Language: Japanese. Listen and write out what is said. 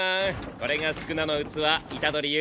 これが宿儺の器虎杖悠